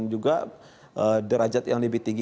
juga derajat yang lebih tinggi